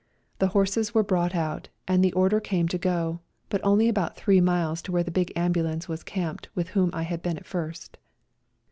The horses were brought out, and the order came to go, but only about three miles to where the big ambulance was camped with whom I had been at first.